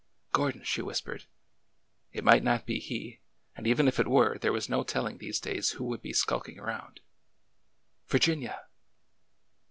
" Gordon !" she whispered. It might not be he, and even if it were, there was no telling these days who would be skulking around. Virginia